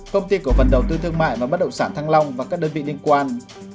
công ty cổ phần đầu tư thương mại và bất động sản thăng long và các đơn vị liên quan